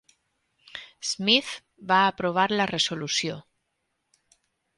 Smith va aprovar la resolució.